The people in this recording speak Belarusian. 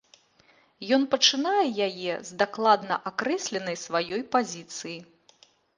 Ён пачынае яе з дакладна акрэсленай сваёй пазіцыі.